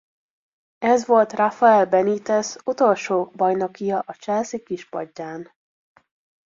Ez volt Rafael Benítez utolsó bajnokija a Chelsea kispadján.